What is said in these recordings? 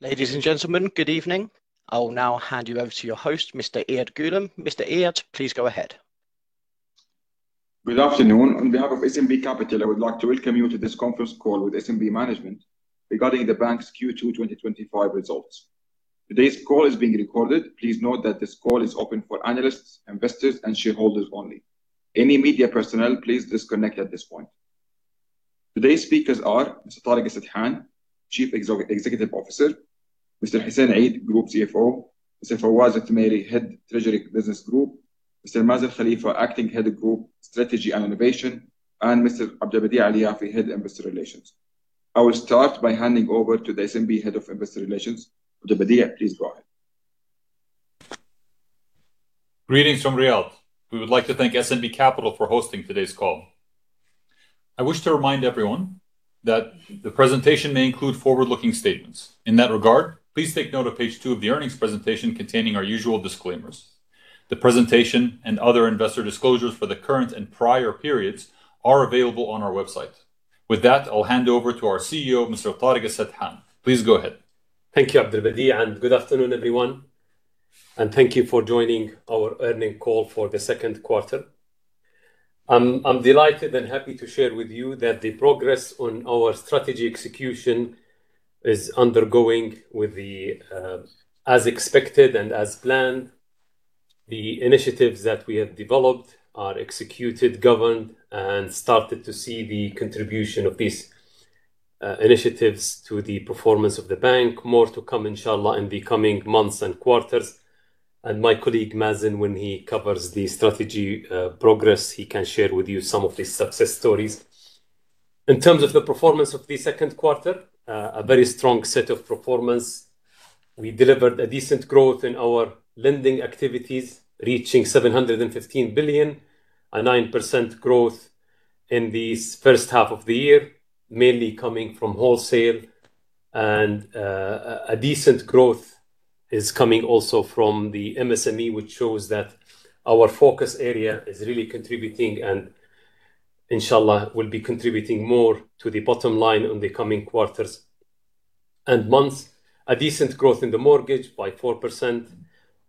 Ladies and gentlemen, good evening. I will now hand you over to your host, Mr. Iyad Ghulam. Mr. Iyad, please go ahead. Good afternoon. On behalf of SNB Capital, I would like to welcome you to this conference call with SNB management regarding the bank's Q2 2025 results. Today's call is being recorded. Please note that this call is open for analysts, investors and shareholders only. Any media personnel, please disconnect at this point. Today's speakers are Mr. Tareq Al Sadhan, Chief Executive Officer, Mr. Hussein Eid, Group CFO, Mr. Fawaz Al-Thumairi, Head Treasury Business Group, Mr. Mazen Khalefah, Acting Head of Group Strategy and Innovation, and Mr. Abdulbadie Alyafi, Head Investor Relations. I will start by handing over to the SNB Head of Investor Relations. Abdulbadie, please go ahead. Greetings from Riyadh. We would like to thank SNB Capital for hosting today's call. I wish to remind everyone that the presentation may include forward-looking statements. In that regard, please take note of page two of the earnings presentation containing our usual disclaimers. The presentation and other investor disclosures for the current and prior periods are available on our website. With that, I'll hand over to our CEO, Mr. Tareq Al Sadhan. Please go ahead. Thank you Abdulbadie and good afternoon everyone and thank you for joining our earnings call for the second quarter. I'm delighted and happy to share with you that the progress on our strategy execution is undergoing with the, as expected and as planned. The initiatives that we have developed are executed, governed, and started to see the contribution of these initiatives to the performance of the bank. More to come, Insha'Allah, in the coming months and quarters. My colleague Mazen, when he covers the strategy progress, he can share with you some of the success stories. In terms of the performance of the second quarter, a very strong set of performance. We delivered a decent growth in our lending activities, reaching 715 billion, a 9% growth in this first half of the year, mainly coming from wholesale. A decent growth is coming also from the MSME, which shows that our focus area is really contributing and, Insha'Allah, will be contributing more to the bottom line on the coming quarters and months. A decent growth in the mortgage by 4%.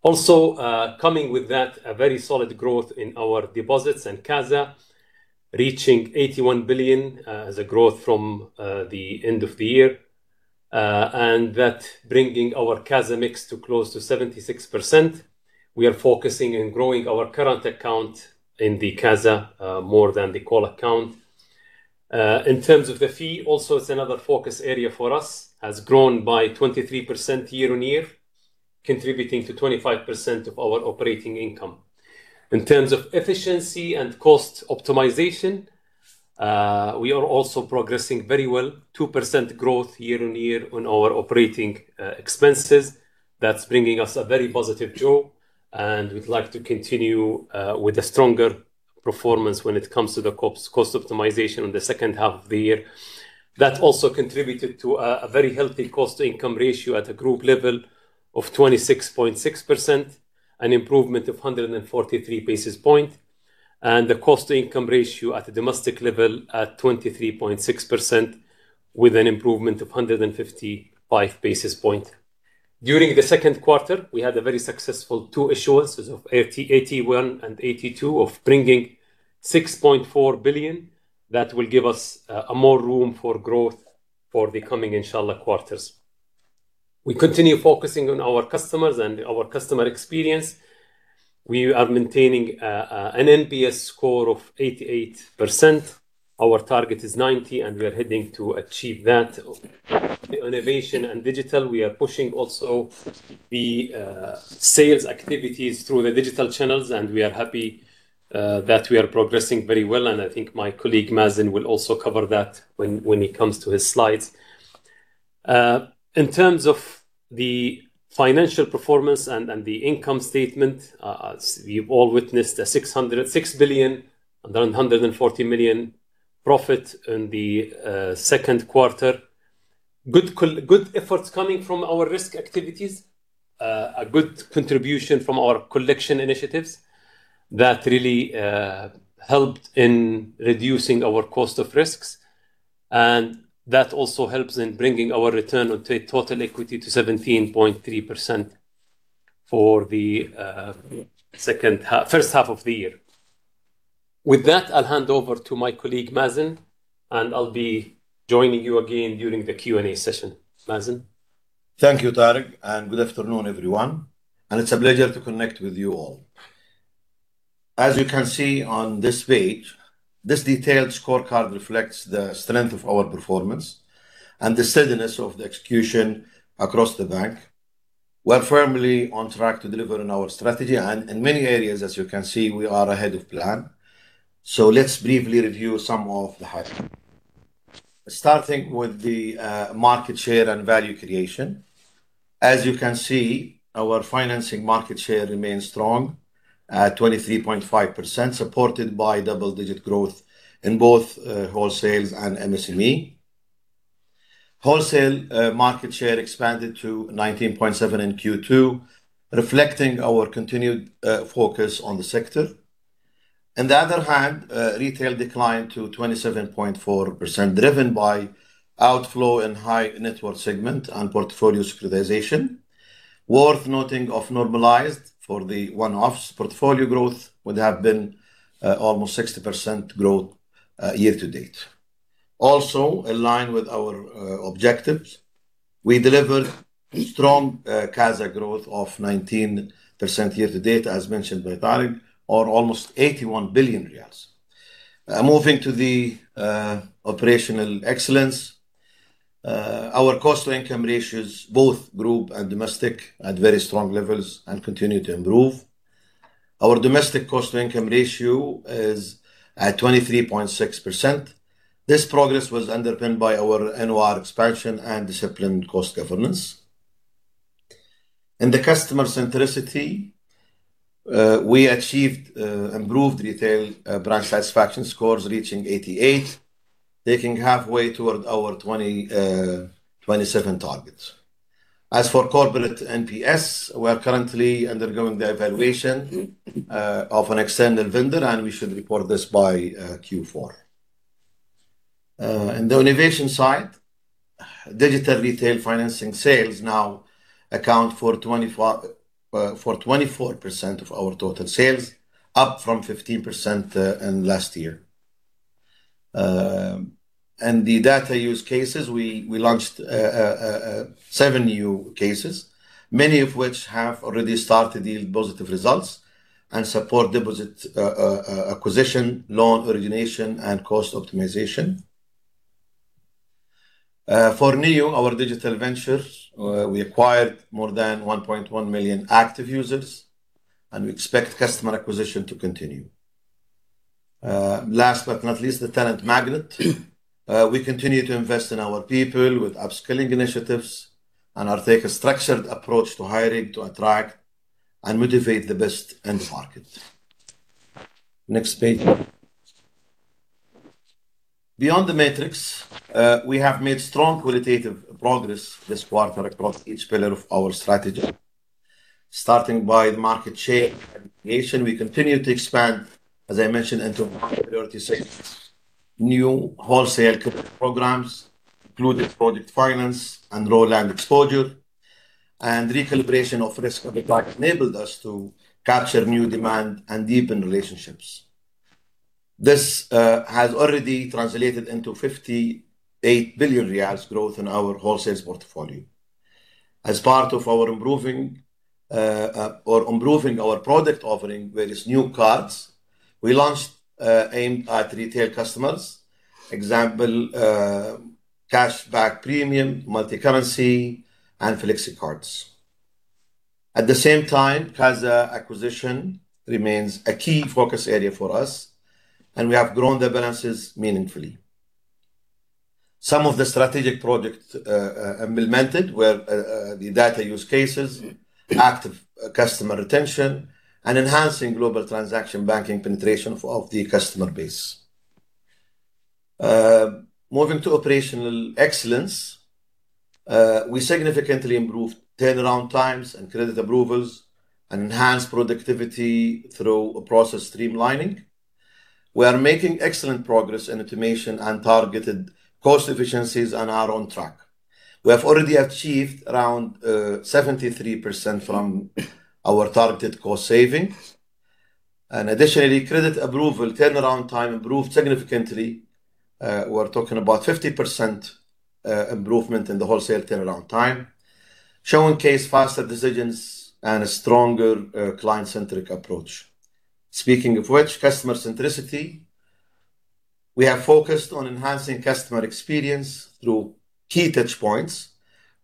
Also, coming with that, a very solid growth in our deposits and CASA, reaching 81 billion, as a growth from the end of the year. That bringing our CASA mix to close to 76%. We are focusing in growing our current account in the CASA, more than the call account. In terms of the fee, also it's another focus area for us, has grown by 23% year-on-year, contributing to 25% of our operating income. In terms of efficiency and cost optimization, we are also progressing very well. 2% growth year-on-year on our operating expenses. That's bringing us a very positive draw, and we'd like to continue with a stronger performance when it comes to the cost optimization on the second half of the year. That also contributed to a very healthy cost-to-income ratio at a group level of 26.6%, an improvement of 143 basis points. The cost-to-income ratio at a domestic level at 23.6% with an improvement of 155 basis points. During the second quarter, we had a very successful two issuances of AT1 and AT2 bringing 6.4 billion that will give us a more room for growth for the coming, Insha'Allah, quarters. We continue focusing on our customers and our customer experience. We are maintaining an NPS score of 88%. Our target is 90%, and we are heading to achieve that. Innovation and digital, we are pushing also the sales activities through the digital channels, and we are happy that we are progressing very well. I think my colleague Mazen will also cover that when it comes to his slides. In terms of the financial performance and the income statement, we've all witnessed 6.14 billion profit in the second quarter. Good efforts coming from our risk activities. A good contribution from our collection initiatives that really helped in reducing our cost of risks, and that also helps in bringing our return on total equity to 17.3% for the first half of the year. With that, I'll hand over to my colleague Mazen and I'll be joining you again during the Q&A session. Mazen? Thank you Tareq and good afternoon everyone and it's a pleasure to connect with you all. As you can see on this page, this detailed scorecard reflects the strength of our performance and the steadiness of the execution across the bank. We're firmly on track to deliver on our strategy, and in many areas, as you can see, we are ahead of plan. Let's briefly review some of the highlights. Starting with the market share and value creation. As you can see, our financing market share remains strong at 23.5%, supported by double-digit growth in both wholesales and MSME. Wholesale market share expanded to 19.7% in Q2, reflecting our continued focus on the sector. On the other hand, retail declined to 27.4%, driven by outflow and high network segment and portfolio securitization. Worth noting, normalized for the one-offs, portfolio growth would have been almost 60% growth year to date. Also in line with our objectives, we delivered strong CASA growth of 19% year to date, as mentioned by Tareq, or almost 81 billion riyals. Moving to operational excellence. Our cost-to-income ratios, both group and domestic, at very strong levels and continue to improve. Our domestic cost-to-income ratio is at 23.6%. This progress was underpinned by our NOR expansion and disciplined cost governance. In customer centricity, we achieved improved retail branch satisfaction scores reaching 88, taking halfway toward our 2027 targets. As for corporate NPS, we are currently undergoing the evaluation of an external vendor, and we should report this by Q4. In the innovation side, digital retail financing sales now account for 24% of our total sales, up from 15% in last year. The data use cases, we launched 7 new cases, many of which have already started to yield positive results and support deposit acquisition, loan origination, and cost optimization. For NEO, our digital venture, we acquired more than 1.1 million active users, and we expect customer acquisition to continue. Last but not least, the talent magnet. We continue to invest in our people with upskilling initiatives and are taking a structured approach to hiring to attract and motivate the best in the market. Next page. Beyond the metrics, we have made strong qualitative progress this quarter across each pillar of our strategy. Starting by the market share and creation, we continue to expand, as I mentioned, into priority segments. New wholesale credit programs, including project finance and raw land exposure, and recalibration of risk appetite enabled us to capture new demand and deepen relationships. This has already translated into 58 billion riyals growth in our wholesale portfolio. As part of improving our product offering with these new cards, we launched aimed at retail customers. Example cash back premium, multicurrency, and Flexi cards. At the same time, CASA acquisition remains a key focus area for us, and we have grown the balances meaningfully. Some of the strategic projects implemented were the data use cases, active customer retention, and enhancing global transaction banking penetration of the customer base. Moving to operational excellence, we significantly improved turnaround times and credit approvals and enhanced productivity through process streamlining. We are making excellent progress in automation and targeted cost efficiencies and are on track. We have already achieved around 73% from our targeted cost savings. Additionally, credit approval turnaround time improved significantly. We're talking about 50% improvement in the wholesale turnaround time, showcasing faster decisions and a stronger client-centric approach. Speaking of which, customer centricity, we are focused on enhancing customer experience through key touch points,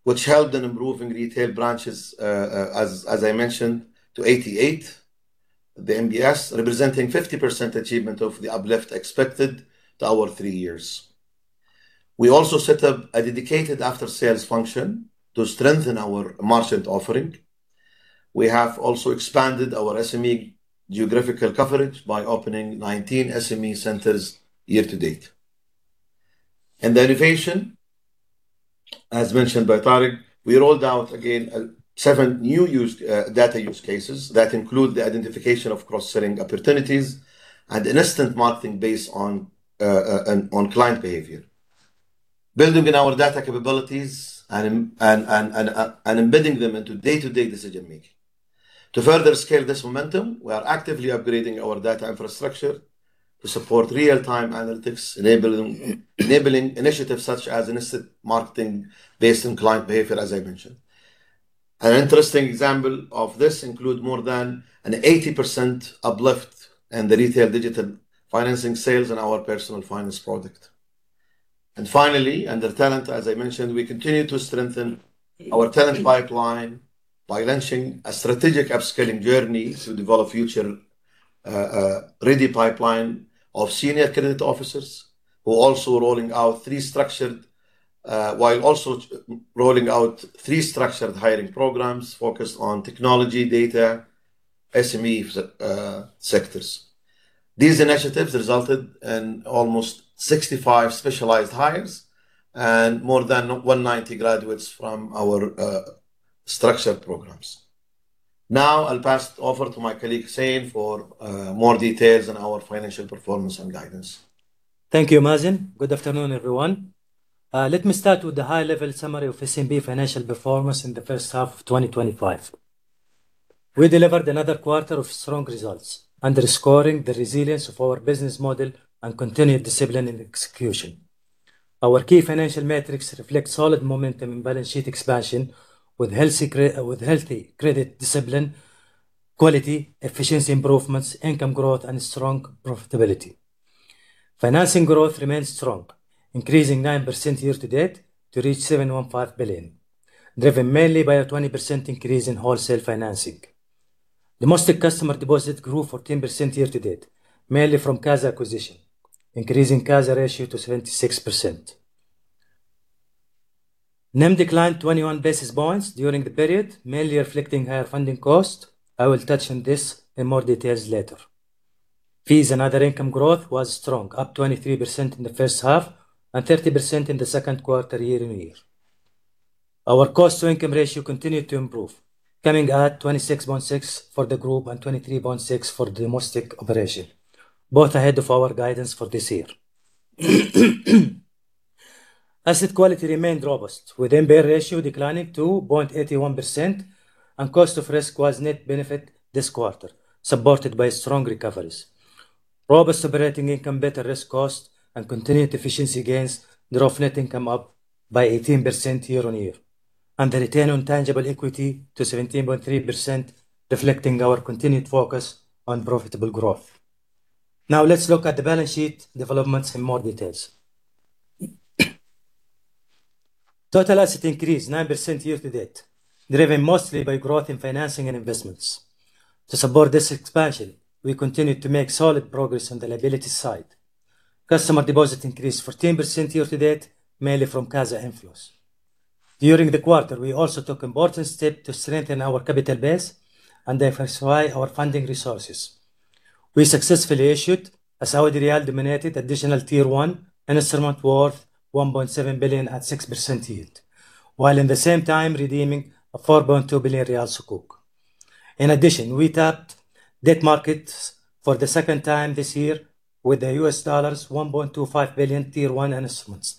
which helped in improving retail branches, as I mentioned, to 88, the NPS, representing 50% achievement of the uplift expected to our three years. We also set up a dedicated after-sales function to strengthen our merchant offering. We have also expanded our SNB geographical coverage by opening 19 SNB centers year to date. In the innovation, as mentioned by Tareq, we rolled out seven new data use cases that include the identification of cross-selling opportunities and instant marketing based on client behavior, building on our data capabilities and embedding them into day-to-day decision-making. To further scale this momentum, we are actively upgrading our data infrastructure to support real-time analytics enabling initiatives such as instant marketing based on client behavior, as I mentioned. An interesting example of this include more than an 80% uplift in the retail digital financing sales in our personal finance product. Finally, under talent, as I mentioned, we continue to strengthen our talent pipeline by launching a strategic upskilling journey to develop future ready pipeline of senior credit officers. We're also rolling out three structured hiring programs focused on technology, data, SNB sectors. These initiatives resulted in almost 65 specialized hires and more than 190 graduates from our structured programs. Now I'll pass over to my colleague, Hussein Eid, for more details on our financial performance and guidance. Thank you, Mazen. Good afternoon, everyone. Let me start with the high-level summary of SNB financial performance in the first half of 2025. We delivered another quarter of strong results, underscoring the resilience of our business model and continued discipline in execution. Our key financial metrics reflect solid momentum and balance sheet expansion with healthy credit discipline, quality, efficiency improvements, income growth, and strong profitability. Financing growth remains strong, increasing 9% year to date to reach SAR 715 billion, driven mainly by a 20% increase in wholesale financing. Domestic customer deposits grew 14% year to date, mainly from CASA acquisition, increasing CASA ratio to 26%. NIM declined 21 basis points during the period, mainly reflecting higher funding costs. I will touch on this in more details later. Fees and other income growth was strong, up 23% in the first half and 30% in the second quarter year-on-year. Our cost to income ratio continued to improve, coming at 26.6 for the group and 23.6 for the domestic operation, both ahead of our guidance for this year. Asset quality remained robust, with NPL ratio declining to 0.81%, and cost of risk was net benefit this quarter, supported by strong recoveries. Robust operating income, better risk cost, and continued efficiency gains drove net income up by 18% year-on-year, and the return on tangible equity to 17.3%, reflecting our continued focus on profitable growth. Now let's look at the balance sheet developments in more details. Total assets increased 9% year-to-date, driven mostly by growth in financing and investments. To support this expansion, we continued to make solid progress on the liability side. Customer deposits increased 14% year-to-date, mainly from CASA inflows. During the quarter, we also took important steps to strengthen our capital base and diversify our funding resources. We successfully issued a Saudi riyal-denominated Additional Tier 1 instrument worth 1.7 billion at 6% yield, while in the same time redeeming a SAR 4.2 billion Sukuk. In addition, we tapped debt markets for the second time this year with the $1.25 billion Tier 1 instruments,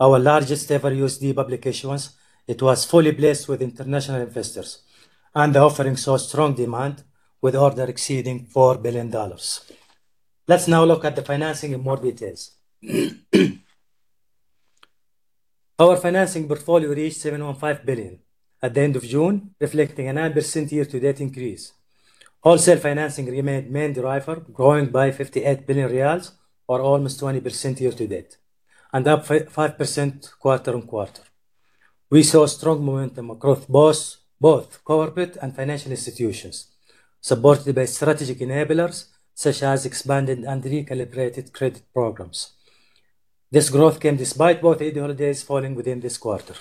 our largest ever USD public issuance. It was fully placed with international investors. The offering saw strong demand, with orders exceeding $4 billion. Let's now look at the financing in more details. Our financing portfolio reached 715 billion at the end of June, reflecting a 9% year-to-date increase. Wholesale financing remained main driver, growing by SAR 58 billion or almost 20% year-to-date and up five percent quarter-on-quarter. We saw strong momentum across both corporate and financial institutions, supported by strategic enablers such as expanded and recalibrated credit programs. This growth came despite both Eid holidays falling within this quarter.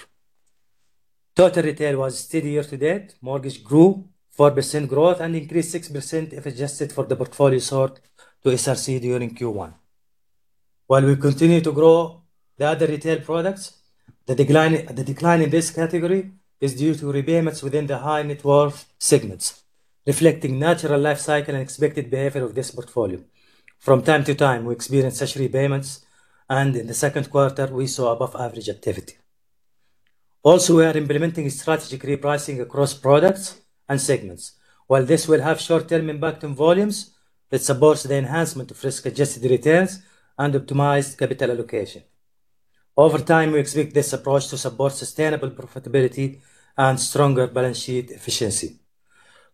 Total retail was steady year-to-date. Mortgage grew 4% growth and increased 6% if adjusted for the portfolio sold to SRC during Q1. While we continue to grow the other retail products, the decline in this category is due to repayments within the high net worth segments, reflecting natural life cycle and expected behavior of this portfolio. From time to time, we experience such repayments, and in the second quarter, we saw above average activity. Also, we are implementing strategic repricing across products and segments. While this will have short-term impact on volumes, it supports the enhancement of risk-adjusted returns and optimized capital allocation. Over time, we expect this approach to support sustainable profitability and stronger balance sheet efficiency.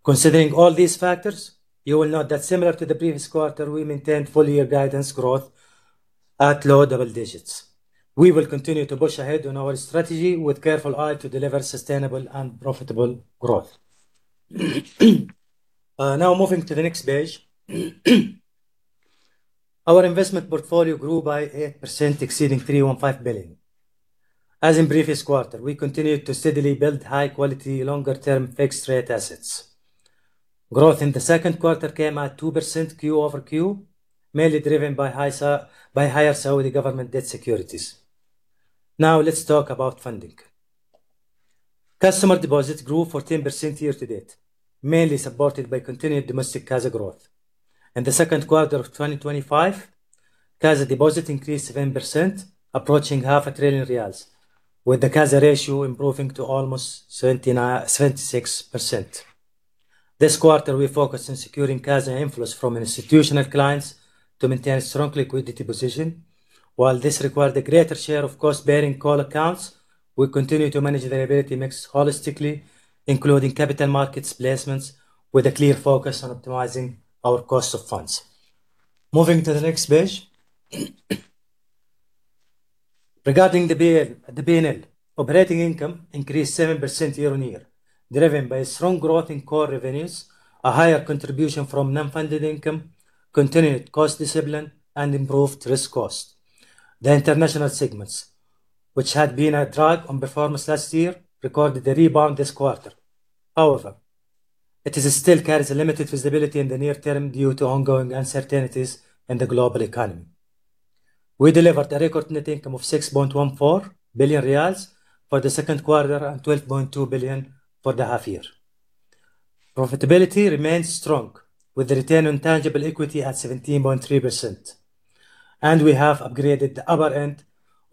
Considering all these factors, you will note that similar to the previous quarter, we maintained full year guidance growth at low double digits. We will continue to push ahead on our strategy with careful eye to deliver sustainable and profitable growth. Now moving to the next page. Our investment portfolio grew by 8%, exceeding 315 billion. As in previous quarter, we continued to steadily build high quality, longer term fixed rate assets. Growth in the second quarter came at 2% quarter-over-quarter, mainly driven by higher Saudi government debt securities. Now let's talk about funding. Customer deposits grew 14% year to date, mainly supported by continued domestic CASA growth. In the second quarter of 2025, CASA deposit increased 7%, approaching SAR 0.5 trillion, with the CASA ratio improving to almost 76%. This quarter, we focused on securing CASA inflows from institutional clients to maintain a strong liquidity position. While this required a greater share of cost-bearing call accounts, we continue to manage the liability mix holistically, including capital markets placements, with a clear focus on optimizing our cost of funds. Moving to the next page. Regarding the PNL, operating income increased 7% year-on-year, driven by strong growth in core revenues, a higher contribution from non-funded income, continued cost discipline, and improved risk cost. The international segments, which had been a drag on performance last year, recorded a rebound this quarter. However, it still carries a limited visibility in the near term due to ongoing uncertainties in the global economy. We delivered a record net income of SAR 6.14 billion for the second quarter and 12.2 billion for the half-year. Profitability remains strong with the return on tangible equity at 17.3%. We have upgraded the upper end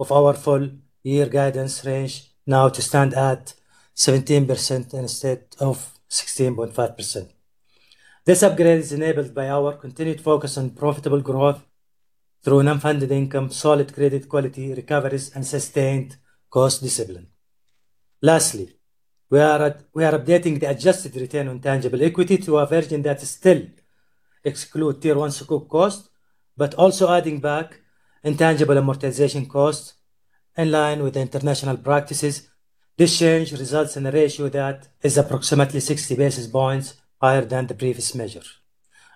of our full-year guidance range now to stand at 17% instead of 16.5%. This upgrade is enabled by our continued focus on profitable growth through non-funded income, solid credit quality recoveries and sustained cost discipline. Lastly, we are updating the adjusted return on tangible equity to a version that still excludes Tier 1 Sukuk cost, but also adding back intangible amortization costs in line with international practices. This change results in a ratio that is approximately 60 basis points higher than the previous measure.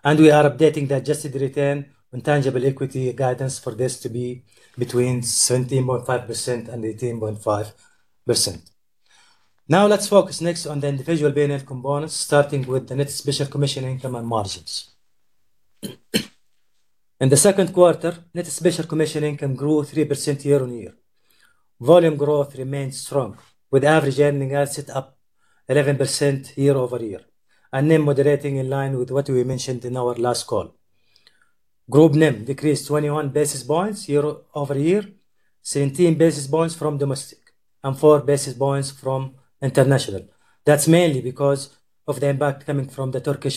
We are updating the adjusted return on tangible equity guidance for this to be between 17.5% and 18.5%. Now, let's focus next on the individual PNL components, starting with the net special commission income and margins. In the second quarter, net special commission income grew 3% year-on-year. Volume growth remains strong, with average earning asset up 11% year-over-year and NIM moderating in line with what we mentioned in our last call. Group NIM decreased 21 basis points year-over-year, 17 basis points from domestic and 4 basis points from international. That's mainly because of the impact coming from the Turkish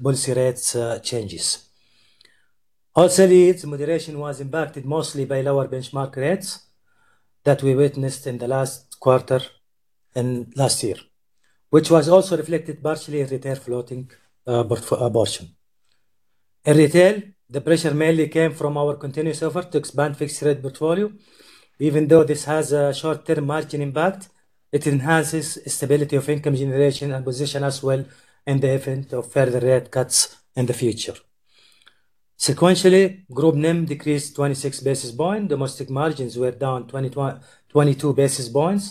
policy rate changes. Also, the moderation was impacted mostly by lower benchmark rates that we witnessed in the last quarter and last year, which was also reflected partially in retail floating portion. In retail, the pressure mainly came from our continuous effort to expand fixed rate portfolio. Even though this has a short-term margin impact, it enhances stability of income generation and position as well in the event of further rate cuts in the future. Sequentially, group NIM decreased 26 basis points. Domestic margins were down 22 basis points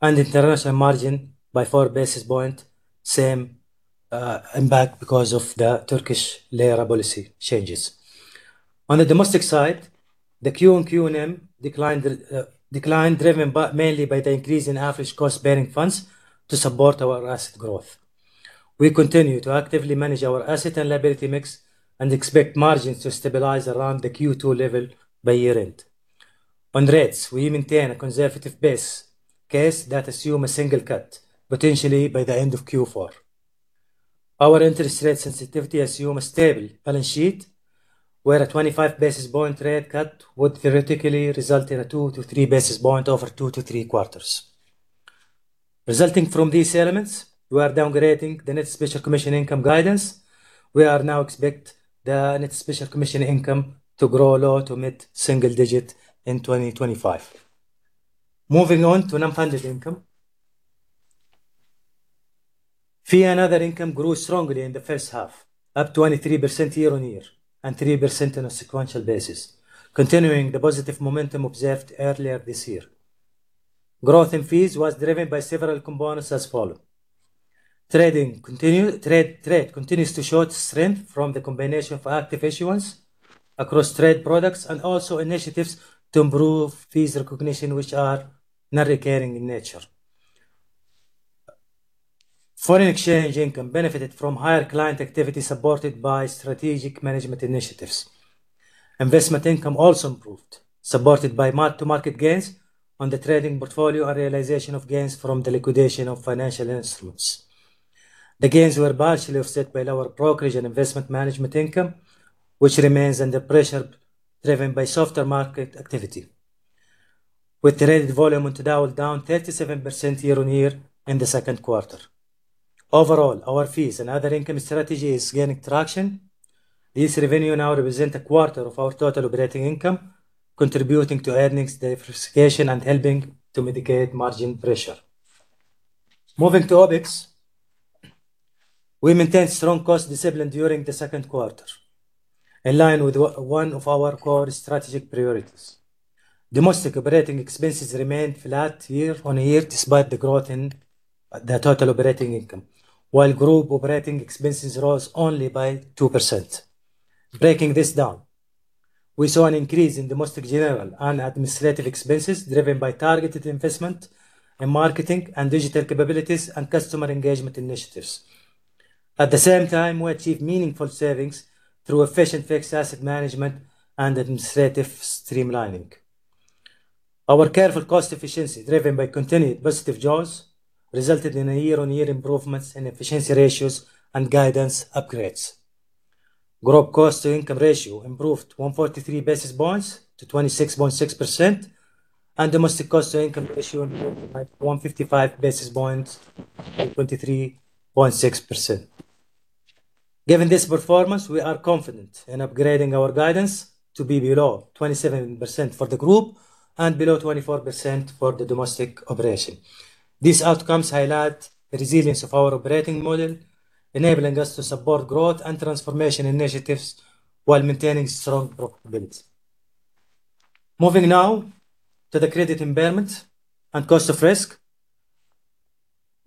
and international margin by 4 basis points. Same impact because of the Turkish lira policy changes. On the domestic side, the quarter-on-quarter NIM declined, driven mainly by the increase in average cost bearing funds to support our asset growth. We continue to actively manage our asset and liability mix and expect margins to stabilize around the Q2 level by year end. On rates, we maintain a conservative base case that assume a single cut potentially by the end of Q4. Our interest rate sensitivity assume a stable balance sheet, where a 25 basis point rate cut would theoretically result in a 2-3 basis point over 2-3 quarters. Resulting from these elements, we are downgrading the net special commission income guidance. We now expect the net special commission income to grow low to mid-single-digit in 2025. Moving on to non-funded income. Fee and other income grew strongly in the first half, up 23% year-on-year and 3% on a sequential basis, continuing the positive momentum observed earlier this year. Growth in fees was driven by several components as follows. Trade continues to show strength from the combination of active issuance across trade products and also initiatives to improve fees recognition which are non-recurring in nature. Foreign exchange income benefited from higher client activity supported by strategic management initiatives. Investment income also improved, supported by mark-to-market gains on the trading portfolio and realization of gains from the liquidation of financial instruments. The gains were partially offset by lower brokerage and investment management income, which remains under pressure driven by softer market activity, with traded volume on Tadawul down 37% year-over-year in the second quarter. Overall, our fees and other income strategy is gaining traction. These revenue now represent a quarter of our total operating income, contributing to earnings diversification and helping to mitigate margin pressure. Moving to OpEx. We maintained strong cost discipline during the second quarter, in line with one of our core strategic priorities. Domestic operating expenses remained flat year-over-year, despite the growth in the total operating income, while group operating expenses rose only by 2%. Breaking this down, we saw an increase in domestic general and administrative expenses driven by targeted investment in marketing and digital capabilities and customer engagement initiatives. At the same time, we achieved meaningful savings through efficient fixed asset management and administrative streamlining. Our careful cost efficiency, driven by continued positive jaws, resulted in a year-on-year improvements in efficiency ratios and guidance upgrades. Group cost to income ratio improved 143 basis points to 26.6% and domestic cost to income ratio improved by 155 basis points to 23.6%. Given this performance, we are confident in upgrading our guidance to be below 27% for the group and below 24% for the domestic operation. These outcomes highlight the resilience of our operating model, enabling us to support growth and transformation initiatives while maintaining strong profitability. Moving now to the credit impairment and cost of risk.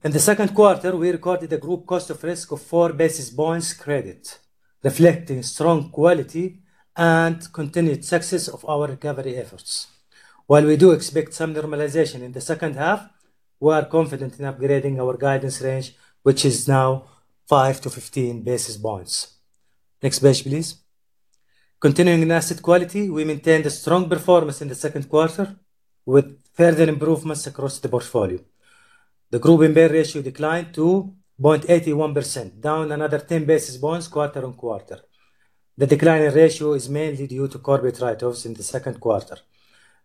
In the second quarter, we recorded a group cost of risk of 4 basis points credit, reflecting strong quality and continued success of our recovery efforts. While we do expect some normalization in the second half, we are confident in upgrading our guidance range, which is now 5-15 basis points. Next page, please. Continuing in asset quality, we maintained a strong performance in the second quarter with further improvements across the portfolio. The group impairment ratio declined to 0.81%, down another 10 basis points quarter-on-quarter. The decline in ratio is mainly due to corporate write-offs in the second quarter.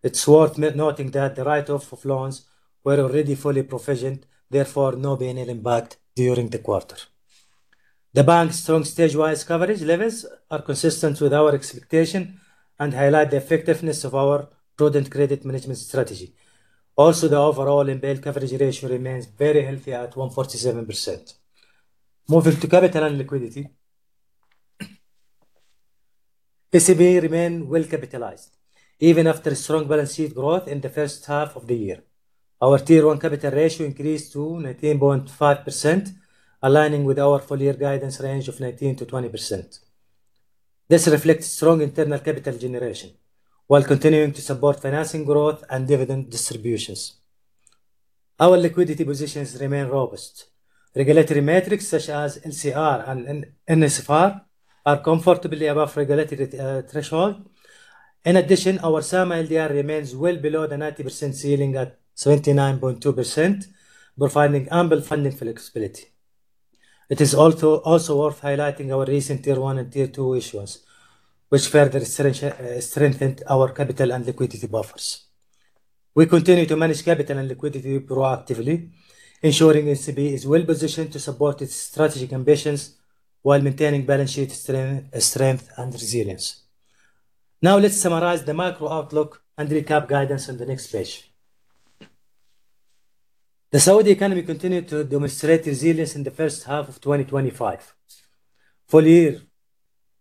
It's worth noting that the write-off of loans were already fully provisioned, therefore no material impact during the quarter. The bank's strong stage-wise coverage levels are consistent with our expectation and highlight the effectiveness of our prudent credit management strategy. Also, the overall impairment coverage ratio remains very healthy at 147%. Moving to capital and liquidity. SNB remains well-capitalized even after strong balance sheet growth in the first half of the year. Our Tier 1 capital ratio increased to 19.5%, aligning with our full year guidance range of 19%-20%. This reflects strong internal capital generation while continuing to support financing growth and dividend distributions. Our liquidity positions remain robust. Regulatory metrics such as LCR and NSFR are comfortably above regulatory threshold. In addition, our SAMA LDR remains well below the 90% ceiling at 29.2%, providing ample funding flexibility. It is also worth highlighting our recent Tier 1 and Tier 2 issuance, which further strengthened our capital and liquidity buffers. We continue to manage capital and liquidity proactively, ensuring SNB is well positioned to support its strategic ambitions while maintaining balance sheet strength and resilience. Now let's summarize the macro outlook and recap guidance on the next page. The Saudi economy continued to demonstrate resilience in the first half of 2025. Full year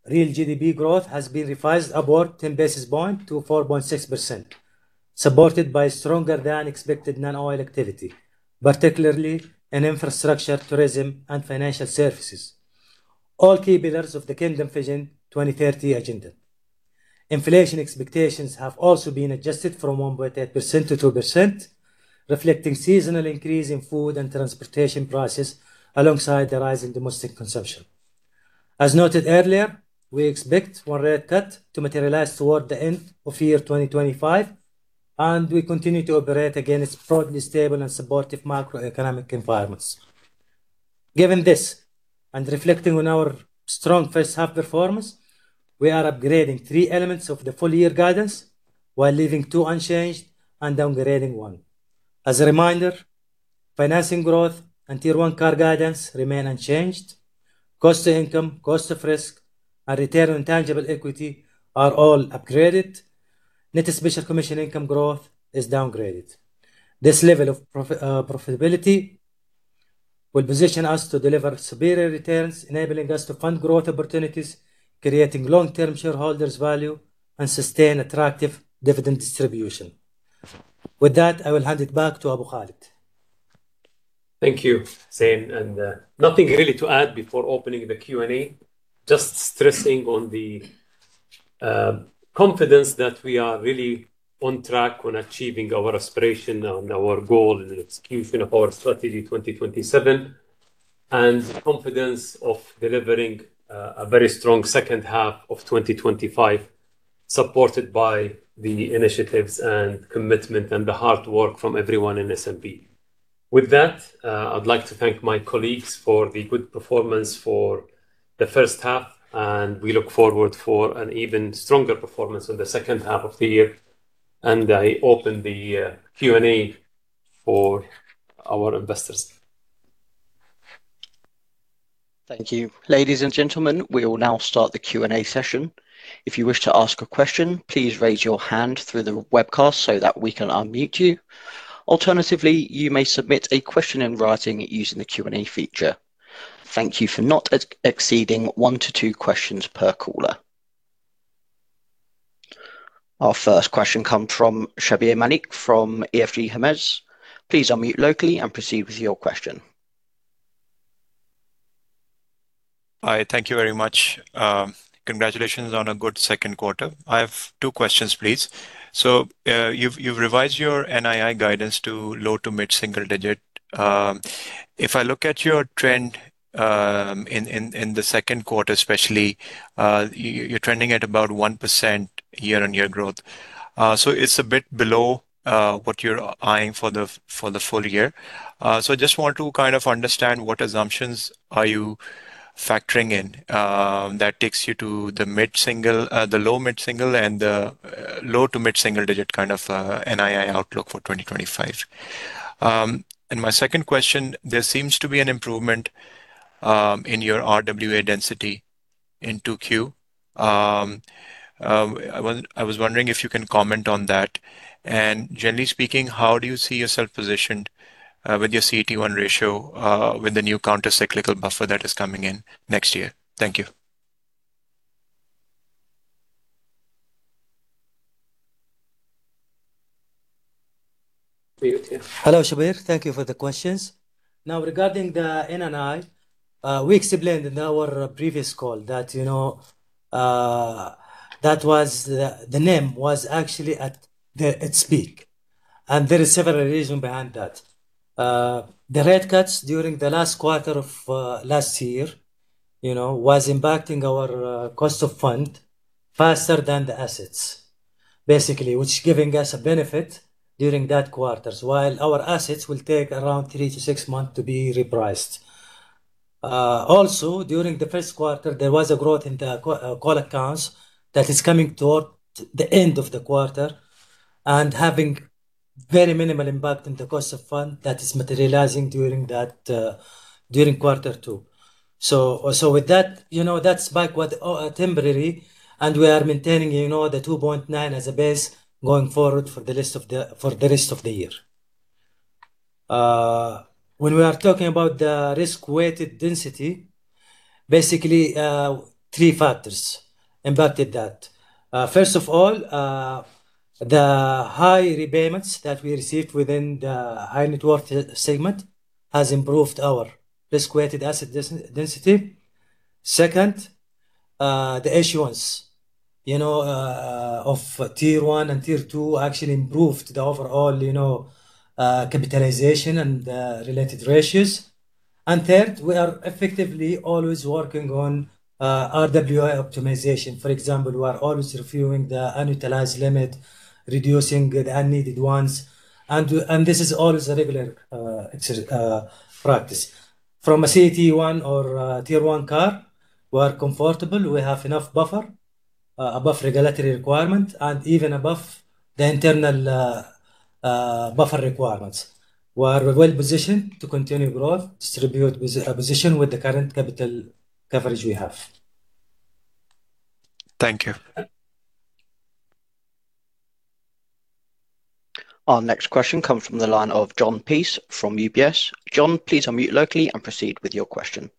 real GDP growth has been revised upward 10 basis points to 4.6%, supported by stronger than expected non-oil activity, particularly in infrastructure, tourism, and financial services, all key pillars of the Saudi Vision 2030 agenda. Inflation expectations have also been adjusted from 1.8% to 2%, reflecting seasonal increase in food and transportation prices alongside the rise in domestic consumption. As noted earlier, we expect one rate cut to materialize toward the end of year 2025, and we continue to operate against broadly stable and supportive macroeconomic environments. Given this, reflecting on our strong first half performance, we are upgrading three elements of the full year guidance while leaving two unchanged and downgrading one. As a reminder, financing growth and Tier 1 CAR guidance remain unchanged. Cost to income, cost of risk, and return on tangible equity are all upgraded. Net special commission income growth is downgraded. This level of profitability will position us to deliver superior returns, enabling us to fund growth opportunities, creating long-term shareholders value, and sustain attractive dividend distribution. With that, I will hand it back to Tareq Abdulrahman Al Sadhan. Thank you Hussein Eid. Nothing really to add before opening the Q&A. Just stressing on the confidence that we are really on track on achieving our aspiration and our goal in execution of our strategy 2027, and confidence of delivering a very strong second half of 2025, supported by the initiatives and commitment and the hard work from everyone in SNB. With that, I'd like to thank my colleagues for the good performance for the first half, and we look forward for an even stronger performance in the second half of the year. I open the Q&A for our investors. Thank you. Ladies and gentlemen, we will now start the Q&A session. If you wish to ask a question, please raise your hand through the webcast so that we can unmute you. Alternatively, you may submit a question in writing using the Q&A feature. Thank you for not exceeding one to two questions per caller. Our first question comes from Shabbir Malik from EFG Holding. Please unmute locally and proceed with your question. Hi. Thank you very much. Congratulations on a good second quarter. I have two questions, please. You've revised your NII guidance to low- to mid-single-digit. If I look at your trend, in the second quarter especially, you're trending at about 1% year-on-year growth. It's a bit below what you're eyeing for the full year. I just want to kind of understand what assumptions are you factoring in that takes you to the low to mid-single-digit kind of NII outlook for 2025. My second question. There seems to be an improvement in your RWA density in Q2. I was wondering if you can comment on that. Generally speaking, how do you see yourself positioned with your CET1 ratio with the new countercyclical buffer that is coming in next year? Thank you. Hello, Shabbir. Thank you for the questions. Now, regarding the NII, we explained in our previous call that, you know, that was the NIM was actually at its peak. There are several reasons behind that. The rate cuts during the last quarter of last year, you know, was impacting our cost of funds faster than the assets, basically, which giving us a benefit during that quarter, while our assets will take around 3-6 months to be repriced. Also, during the first quarter, there was a growth in the call accounts that is coming toward the end of the quarter and having very minimal impact in the cost of funds that is materializing during quarter two. With that, you know, that's back with temporary, and we are maintaining, you know, the 2.9 as a base going forward for the rest of the year. When we are talking about the risk-weighted density, basically, three factors impacted that. First of all, the high repayments that we received within the high net worth segment has improved our risk-weighted asset density. Second, the issuance, you know, of Tier 1 and Tier 2 actually improved the overall, you know, capitalization and related ratios. Third, we are effectively always working on RWA optimization. For example, we are always reviewing the unutilized limit, reducing the unneeded ones. And this is always a regular practice. From a CET1 or Tier 1 CAR, we are comfortable. We have enough buffer above regulatory requirement and even above the internal buffer requirements. We are well-positioned to continue growth, distribute position with the current capital coverage we have. Thank you. Our next question comes from the line of Jon Peace from UBS. John, please unmute locally and proceed with your question.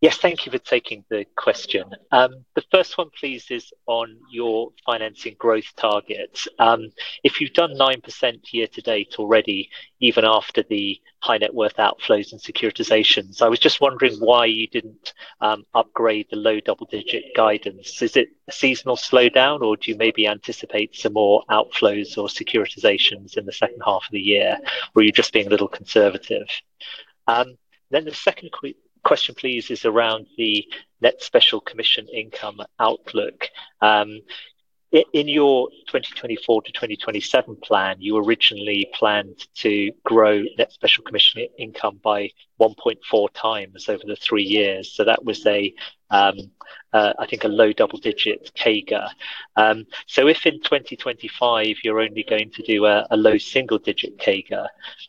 Yes. Thank you for taking the question. The first one please is on your financing growth targets. If you've done 9% year to date already, even after the high net worth outflows and securitizations, I was just wondering why you didn't upgrade the low double-digit guidance. Is it a seasonal slowdown, or do you maybe anticipate some more outflows or securitizations in the second half of the year? Or are you just being a little conservative? The second question please is around the net special commission income outlook. In your 2024 to 2027 plan, you originally planned to grow net special commission income by 1.4x over the three years. That was a, I think a low double-digit CAGR. If in 2025 you're only going to do a low single digit CAGR,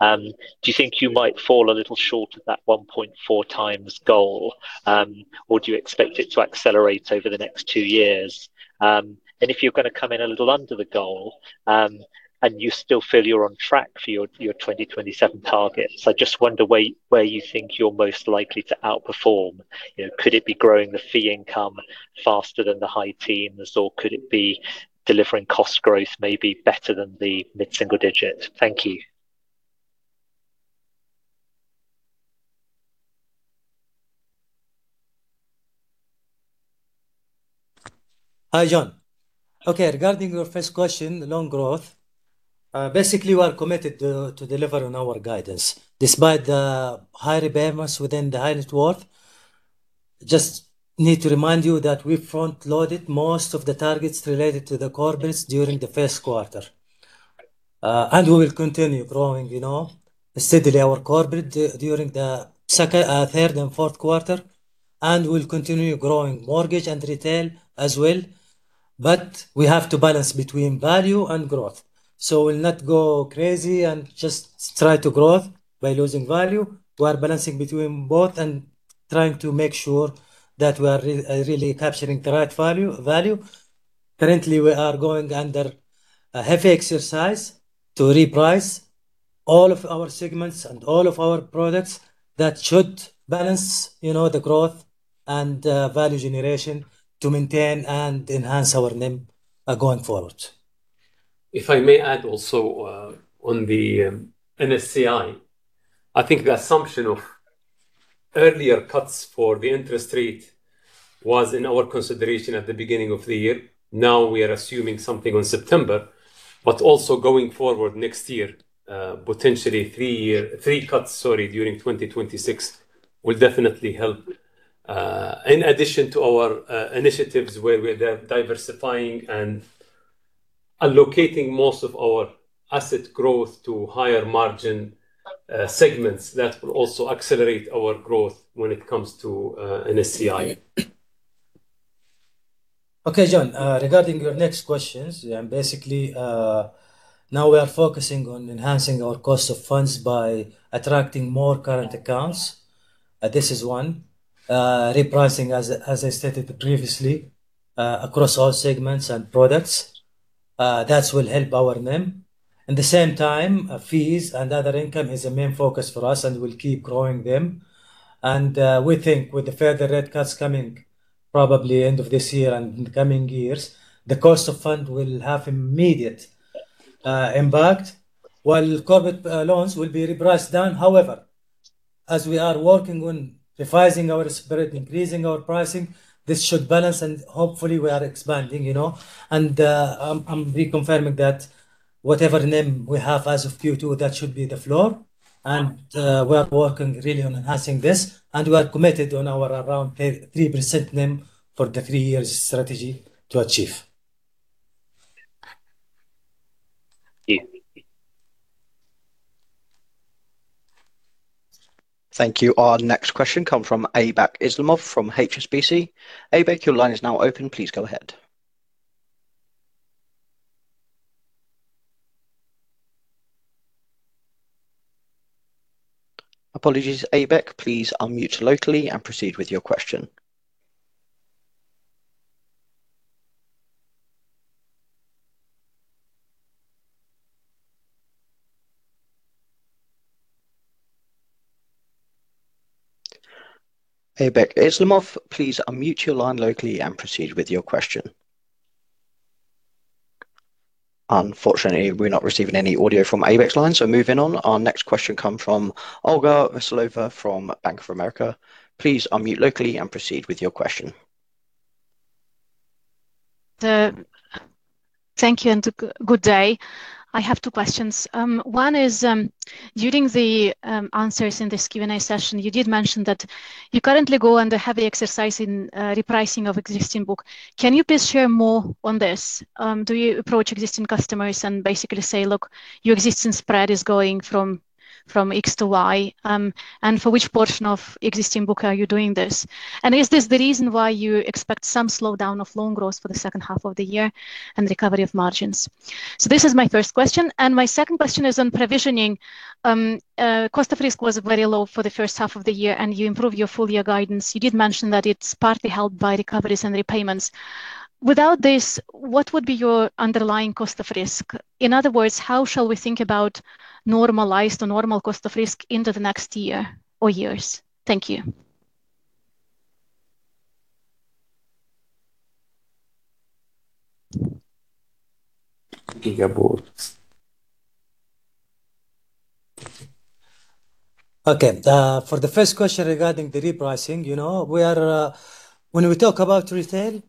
do you think you might fall a little short of that 1.4x goal? Do you expect it to accelerate over the next two years? If you're gonna come in a little under the goal, and you still feel you're on track for your 2027 targets, I just wonder where you think you're most likely to outperform. You know, could it be growing the fee income faster than the high teens, or could it be delivering cost growth maybe better than the mid-single digit? Thank you. Hi, Jon. Okay, regarding your first question, loan growth, basically, we are committed to deliver on our guidance despite the high repayments within the high net worth. Just need to remind you that we front-loaded most of the targets related to the corporates during the first quarter. We will continue growing, you know, steadily our corporate during the second, third and fourth quarter. We'll continue growing mortgage and retail as well. We have to balance between value and growth. We'll not go crazy and just try to grow by losing value. We are balancing between both and trying to make sure that we are really capturing the right value. Currently, we are going under a heavy exercise to reprice all of our segments and all of our products that should balance, you know, the growth and value generation to maintain and enhance our NIM going forward. If I may add also, on the NSCI. I think the assumption of earlier cuts for the interest rate was in our consideration at the beginning of the year. Now we are assuming something on September, but also going forward next year, potentially three cuts during 2026 will definitely help. In addition to our initiatives where we're diversifying and allocating most of our asset growth to higher margin segments, that will also accelerate our growth when it comes to NSCI. Okay, John, regarding your next questions. Basically, now we are focusing on enhancing our cost of funds by attracting more current accounts. This is one. Repricing as I stated previously across all segments and products. That will help our NIM. At the same time, fees and other income is a main focus for us, and we'll keep growing them. We think with the further rate cuts coming probably end of this year and in the coming years, the cost of funds will have immediate impact while corporate loans will be repriced down. However, as we are working on revising our spread and increasing our pricing, this should balance, and hopefully we are expanding, you know. I'm reconfirming that whatever NIM we have as of Q2, that should be the floor. We are working really on enhancing this, and we are committed on our around 3% NIM for the three-year strategy to achieve. Thank you. Thank you. Our next question come from Aybek Islamov from HSBC. Aybek, your line is now open. Please go ahead. Apologies, Aybek, please unmute locally and proceed with your question. Aybek Islamov, please unmute your line locally and proceed with your question. Unfortunately, we're not receiving any audio from Aybek's line, so moving on. Our next question come from Olga Veselova from Bank of America. Please unmute locally and proceed with your question. Thank you and good day. I have two questions. One is, during the answers in this Q&A session, you did mention that you currently go under heavy exercise in repricing of existing book. Can you please share more on this? Do you approach existing customers and basically say, "Look, your existing spread is going from X to Y," and for which portion of existing book are you doing this? Is this the reason why you expect some slowdown of loan growth for the second half of the year and recovery of margins? This is my first question, and my second question is on provisioning cost of risk was very low for the first half of the year, and you improved your full year guidance. You did mention that it's partly helped by recoveries and repayments. Without this, what would be your underlying cost of risk? In other words, how shall we think about normalized or normal cost of risk into the next year or years? Thank you. Okay. For the first question regarding the repricing, you know, we are. When we talk about retail,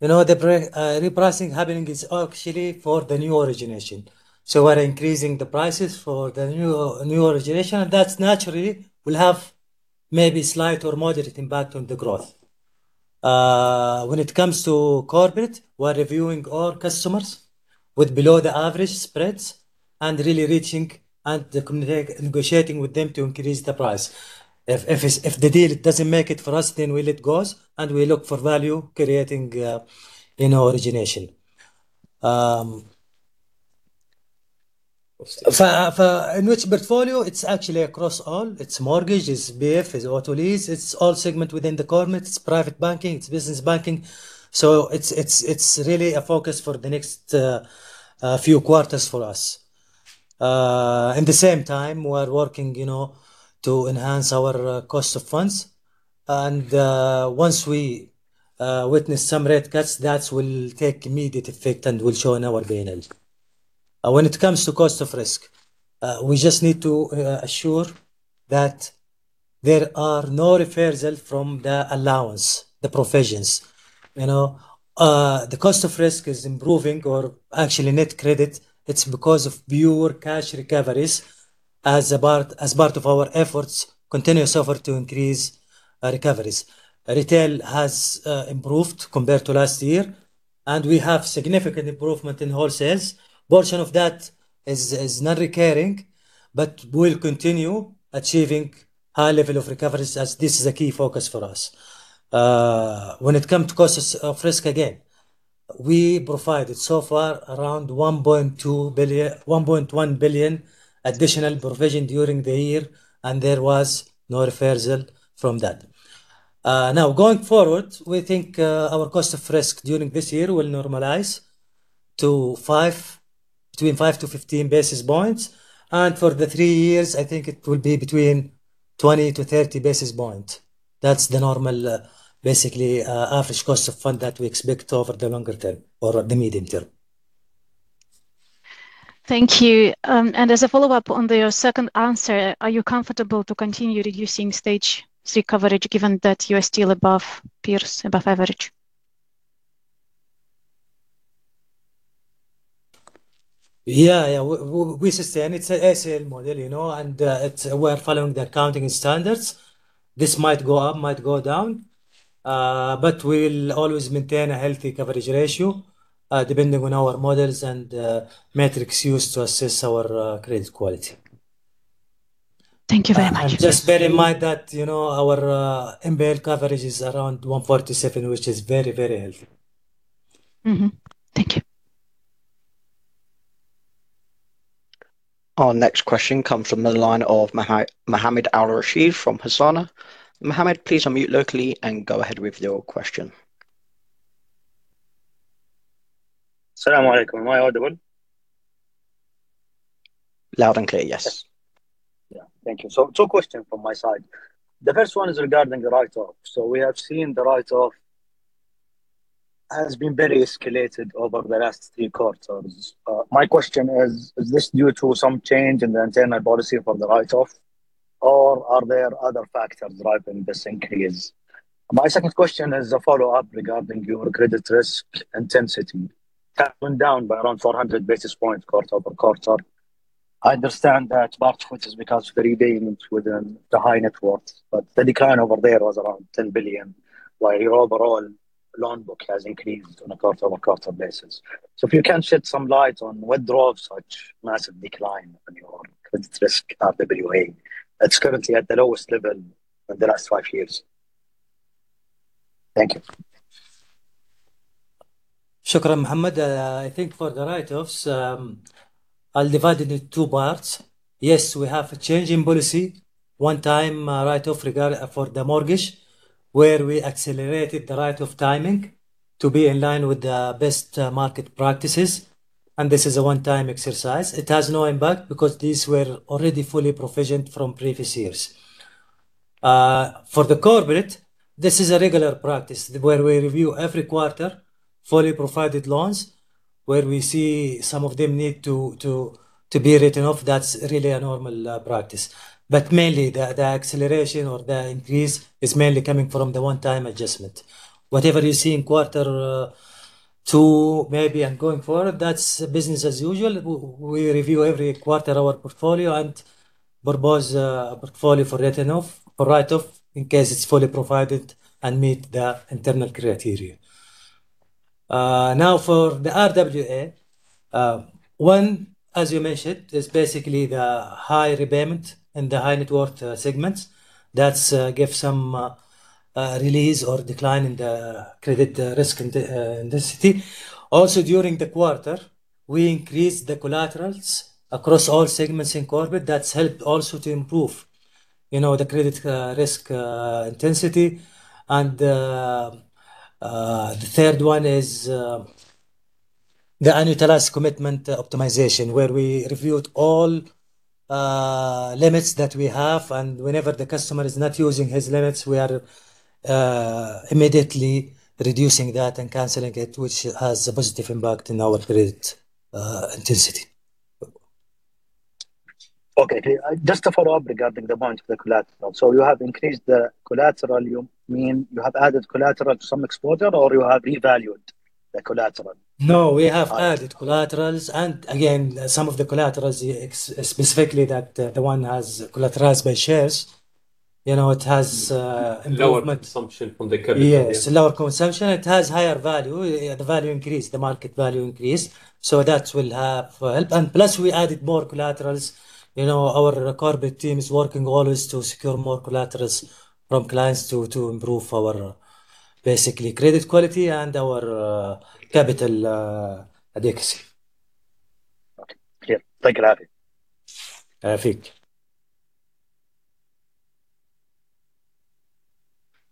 you know, the repricing happening is actually for the new origination. We're increasing the prices for the new origination, and that naturally will have maybe slight or moderate impact on the growth. When it comes to corporate, we're reviewing all customers with below-the-average spreads and really negotiating with them to increase the price. If the deal doesn't make it for us, then we let it go, and we look for value creating in our origination. In which portfolio? It's actually across all. It's mortgage, it's PF, it's auto lease. It's all segments within the corporate. It's private banking, it's business banking. It's really a focus for the next few quarters for us. At the same time, we're working, you know, to enhance our cost of funds. Once we witness some rate cuts, that will take immediate effect and will show in our P&L. When it comes to cost of risk, we just need to assure that there are no reversal from the allowance, the provisions, you know. The cost of risk is improving or actually net credit. It's because of pure cash recoveries as a part of our efforts, continuous effort to increase recoveries. Retail has improved compared to last year, and we have significant improvement in wholesale. Portion of that is not recurring, but we'll continue achieving high level of recoveries as this is a key focus for us. When it comes to cost of risk, again, we provided so far around 1.1 billion additional provision during the year, and there was no reversal from that. Now, going forward, we think our cost of risk during this year will normalize to five, between 5-15 basis points. For the three years, I think it will be between 20-30 basis points. That's the normal, basically, average cost of fund that we expect over the longer term or the medium term. Thank you. As a follow-up on your second answer, are you comfortable to continue reducing stage three coverage given that you are still above peers, above average? Yeah, yeah. We sustain. It's an ACL model, you know, and we're following the accounting standards. This might go up, might go down, but we'll always maintain a healthy coverage ratio, depending on our models and metrics used to assess our credit quality. Thank you very much. Just bear in mind that, you know, our NPL coverage is around 147%, which is very, very healthy. Mm-hmm. Thank you. Our next question comes from the line of Mohammed Al-Rasheed from Hassana. Mohammed, please unmute locally and go ahead with your question. Salam alaikum. Am I audible? Loud and clear, yes. Yeah thank you. 2 questions from my side. The first one is regarding the write-off. We have seen the write-off has been very escalated over the last 3 quarters. My question is: Is this due to some change in the internal policy for the write-off, or are there other factors driving this increase? My second question is a follow-up regarding your credit risk intensity. That went down by around 400 basis points quarter-over-quarter. I understand that part which is because of the repayments within the high net worth, but the decline over there was around 10 billion, while your overall loan book has increased on a quarter-over-quarter basis. If you can shed some light on what drove such massive decline on your credit risk RWA? It's currently at the lowest level in the last 5 years. Thank you. Mohammed. I think for the write-offs, I'll divide it in two parts. Yes, we have a change in policy, one-time write-off regarding the mortgage, where we accelerated the write-off timing to be in line with the best market practices, and this is a one-time exercise. It has no impact because these were already fully provisioned from previous years. For the corporate, this is a regular practice where we review every quarter fully provisioned loans where we see some of them need to be written off. That's really a normal practice. Mainly the acceleration or the increase is mainly coming from the one-time adjustment. Whatever you see in quarter two maybe and going forward, that's business as usual. We review every quarter our portfolio and propose a portfolio for write-off. for write-off in case it's fully provided and meets the internal criteria. Now for the RWA, one, as you mentioned, is basically the high repayment in the high net worth segments. That gives some release or decline in the credit risk intensity. Also, during the quarter, we increased the collaterals across all segments in corporate. That's helped also to improve, you know, the credit risk intensity. The third one is the annualized commitment optimization, where we reviewed all limits that we have, and whenever the customer is not using his limits, we are immediately reducing that and canceling it, which has a positive impact in our credit intensity. Okay. Just a follow-up regarding the point of the collateral. You have increased the collateral, you mean you have added collateral to some exposure or you have revalued the collateral? No, we have added collaterals and, again, some of the collaterals, especially, specifically, the one that's collateralized by shares, you know, it has improvement. Lower consumption from the current. Yes, lower consumption. It has higher value. The value increased. The market value increased. That will have help. Plus we added more collaterals. You know, our corporate team is working always to secure more collaterals from clients to improve our basically credit quality and our capital adequacy. Okay. Yeah. Thank you, Hussein.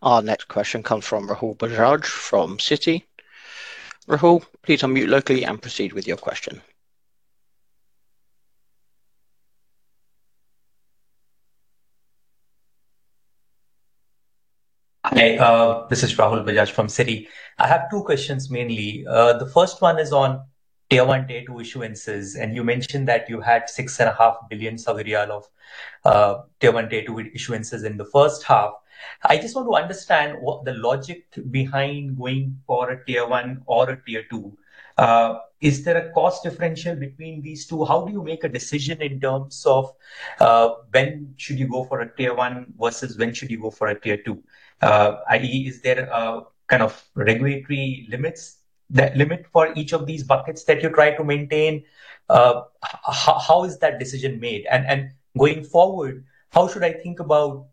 Our next question comes from Rahul Bajaj from Citi. Rahul, please unmute locally and proceed with your question. Hi this is Rahul Bajaj from Citi. I have two questions mainly. The first one is on Tier 1, Tier 2 issuances. You mentioned that you had 6.5 billion Saudi riyal of Tier 1, Tier 2 issuances in the first half. I just want to understand what the logic behind going for a Tier 1 or a Tier 2. Is there a cost differential between these two? How do you make a decision in terms of, when should you go for a Tier 1 versus when should you go for a Tier 2? i.e. is there kind of regulatory limits for each of these buckets that you try to maintain? How is that decision made? Going forward, how should I think about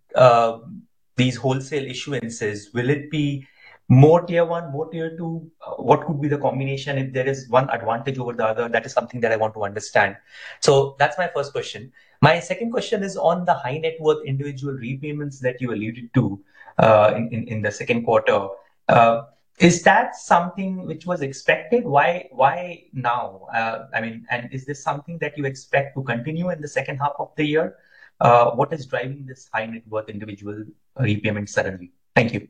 these wholesale issuances? Will it be more Tier 1, more Tier 2? What could be the combination if there is one advantage over the other? That is something that I want to understand. That's my first question. My second question is on the high net worth individual repayments that you alluded to in the second quarter. Is that something which was expected? Why now? I mean, and is this something that you expect to continue in the second half of the year? What is driving this high net worth individual repayments suddenly? Thank you.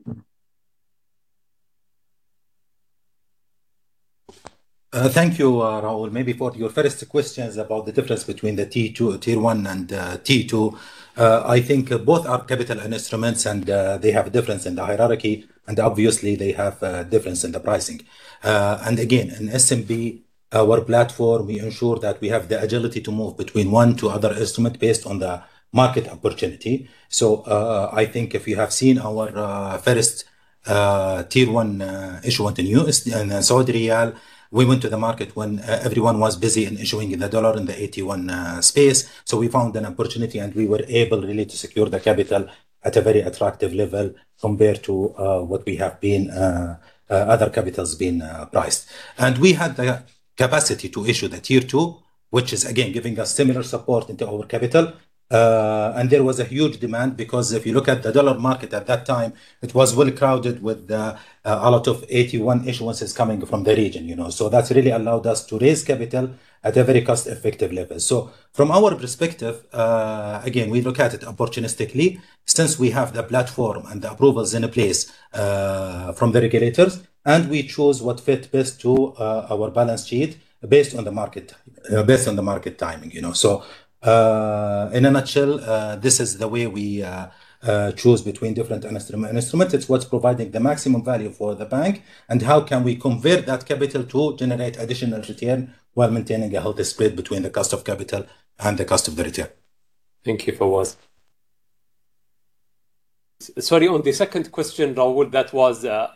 Thank you Rahul. Maybe for your first questions about the difference between the Tier 2, Tier 1 and Tier 2, I think both are capital instruments and they have a difference in the hierarchy, and obviously they have a difference in the pricing. In SNB, our platform, we ensure that we have the agility to move between one to other instrument based on the market opportunity. I think if you have seen our first Tier 1 issuance in Saudi riyal, we went to the market when everyone was busy issuing in the US dollar in the AT1 space. We found an opportunity, and we were really able to secure the capital at a very attractive level compared to what other capitals have been priced. We had the capacity to issue the Tier 2, which is again giving us similar support into our capital. There was a huge demand because if you look at the dollar market at that time, it was well crowded with a lot of AT1 issuances coming from the region, you know. That's really allowed us to raise capital at a very cost-effective level. From our perspective, again, we look at it opportunistically since we have the platform and the approvals in place from the regulators, and we choose what fit best to our balance sheet based on the market, based on the market timing, you know. In a nutshell, this is the way we choose between different instruments. It's what's providing the maximum value for the bank and how can we convert that capital to generate additional return while maintaining a healthy spread between the cost of capital and the cost of the return. Thank you Fawaz. Sorry, on the second question, Rahul Bajaj, that was a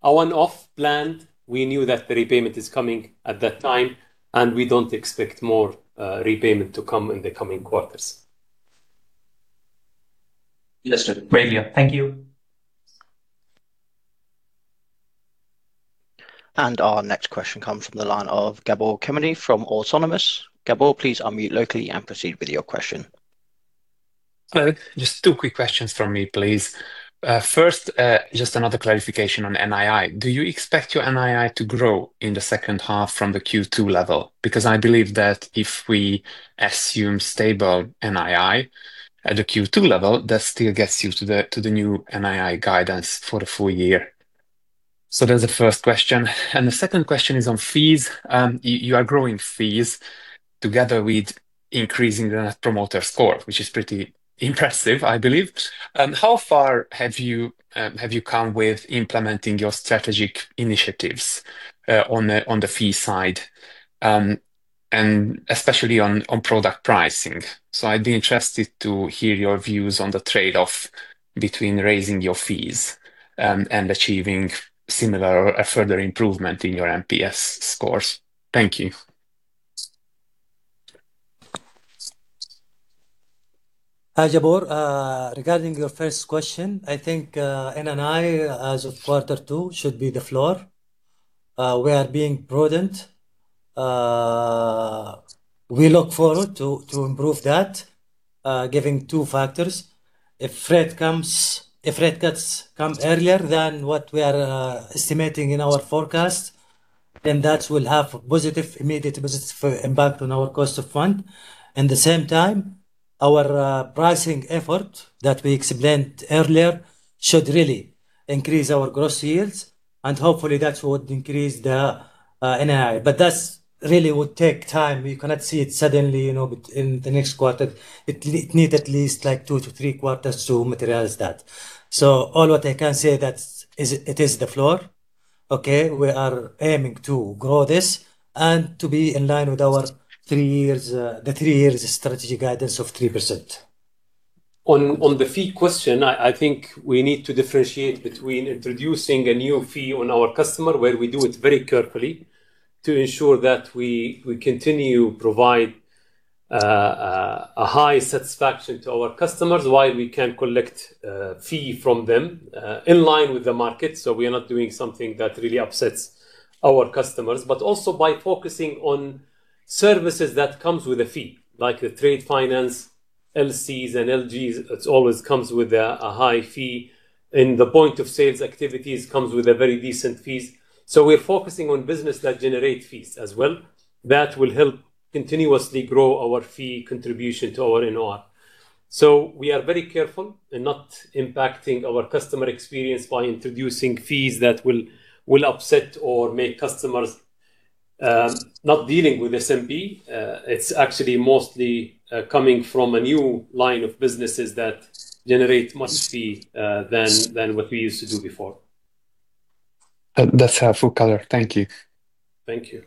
one-off plan. We knew that the repayment is coming at that time, and we don't expect more repayment to come in the coming quarters. Understood. Thank you. Our next question comes from the line of Gabor Kemény from Autonomous. Gabor, please unmute locally and proceed with your question. Hello. Just two quick questions from me, please. First, just another clarification on NII. Do you expect your NII to grow in the second half from the Q2 level? Because I believe that if we assume stable NII at the Q2 level, that still gets you to the new NII guidance for the full year. That's the first question. The second question is on fees. You are growing fees together with increasing the Net Promoter Score, which is pretty impressive, I believe. How far have you come with implementing your strategic initiatives on the fee side, and especially on product pricing? I'd be interested to hear your views on the trade-off between raising your fees and achieving similar or a further improvement in your NPS scores. Thank you. Hi, Gabor. Regarding your first question, I think NII as of quarter two should be the floor. We are being prudent. We look forward to improve that, giving two factors. If rate cuts come earlier than what we are estimating in our forecast, then that will have positive, immediate positive impact on our cost of fund. At the same time, our pricing effort that we explained earlier should really increase our gross yields, and hopefully that would increase the NII. But that's really would take time. We cannot see it suddenly, you know, in the next quarter. It needs at least like two to three quarters to materialize that. All what I can say that's it is the floor. Okay? We are aiming to grow this and to be in line with our three years strategy guidance of 3%. On the fee question, I think we need to differentiate between introducing a new fee on our customer, where we do it very carefully to ensure that we continue provide a high satisfaction to our customers while we can collect a fee from them in line with the market. We are not doing something that really upsets our customers. Also by focusing on services that comes with a fee, like a trade finance, LCs and LGs, it always comes with a high fee, and the point of sales activities comes with a very decent fees. We're focusing on business that generate fees as well. That will help continuously grow our fee contribution to our NOR. We are very careful in not impacting our customer experience by introducing fees that will upset or make customers not dealing with SNB. It's actually mostly coming from a new line of businesses that generate much fee than what we used to do before. That's a full quarter. Thank you. Thank you.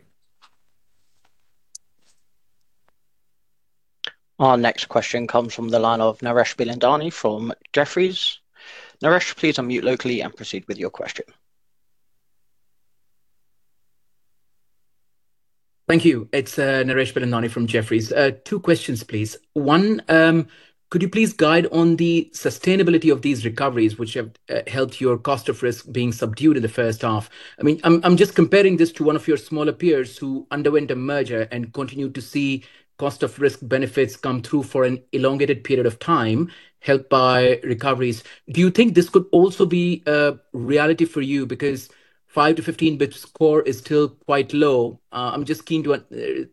Our next question comes from the line of Naresh Bilandani from Jefferies. Naresh, please unmute locally and proceed with your question. Thank you. It's Naresh Bilandani from Jefferies. Two questions, please. One, could you please guide on the sustainability of these recoveries which have helped your cost of risk being subdued in the first half? I mean, I'm just comparing this to one of your smaller peers who underwent a merger and continued to see cost of risk benefits come through for an elongated period of time, helped by recoveries. Do you think this could also be a reality for you? Because 5-15 score is still quite low. I'm just keen to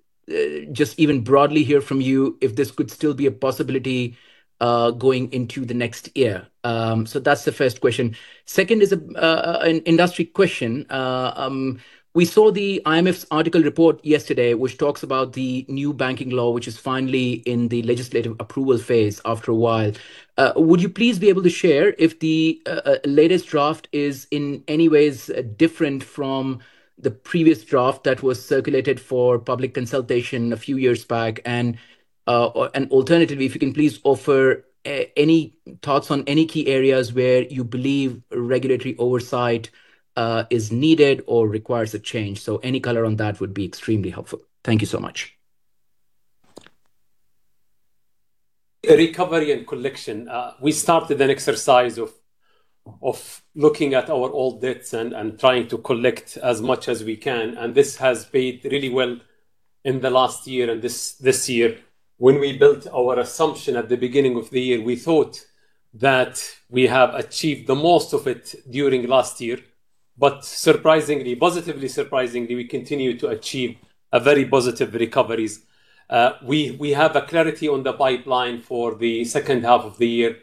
just even broadly hear from you if this could still be a possibility going into the next year. So that's the first question. Second is an industry question. We saw the IMF's Article IV report yesterday, which talks about the new banking law, which is finally in the legislative approval phase after a while. Would you please be able to share if the latest draft is in any way different from the previous draft that was circulated for public consultation a few years back? Alternatively, if you can please offer any thoughts on any key areas where you believe regulatory oversight is needed or requires a change. Any color on that would be extremely helpful. Thank you so much. Recovery and collection. We started an exercise of looking at our old debts and trying to collect as much as we can, and this has paid really well in the last year and this year. When we built our assumption at the beginning of the year, we thought that we have achieved the most of it during last year. Surprisingly, positively surprisingly, we continue to achieve a very positive recoveries. We have a clarity on the pipeline for the second half of the year.